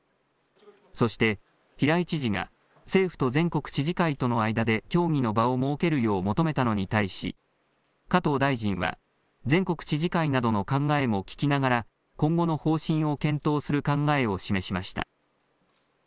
そして、平井知事が政府と全国知事会との間で協議の場を設けるよう求めたのに対し、加藤大臣は全国知事会などの考えも聞きながら、今後の方針を検討する考えを示しました。